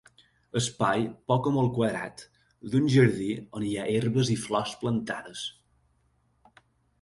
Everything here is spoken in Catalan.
Espai poc o molt quadrat d'un jardí on hi ha herbes i flors plantades.